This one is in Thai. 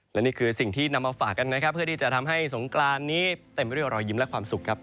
และนี่คือสิ่งที่นำมาฝากกันนะครับเพื่อที่จะทำให้สงกรานนี้เต็มไปด้วยรอยยิ้มและความสุขครับ